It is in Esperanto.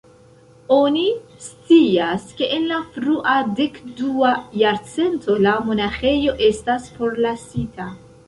Oni scias ke en la frua dek-dua jarcento la monaĥejo estas forlasita.